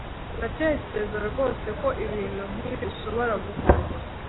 Uratekereza rwose ko ibintu nkibi bishobora gukorwa